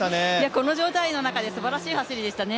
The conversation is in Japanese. この状態の中ですばらしい走りでしたね。